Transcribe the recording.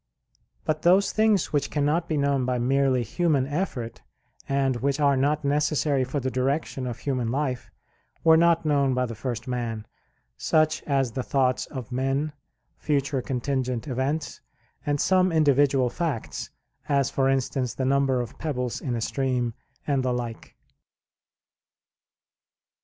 But those things which cannot be known by merely human effort, and which are not necessary for the direction of human life, were not known by the first man; such as the thoughts of men, future contingent events, and some individual facts, as for instance the number of pebbles in a stream; and the like.